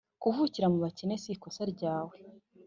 kuvukira mu bakene si ikosa ryawe